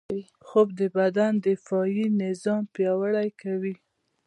خوب د بدن دفاعي نظام پیاوړی کوي